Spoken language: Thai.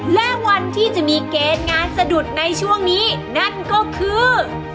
และวันที่จะมีเกณฑ์งานสะดุดในช่วงนี้นั่นก็คือ